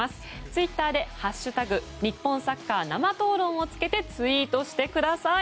ツイッターで「＃日本サッカー生討論」をつけてツイートしてください。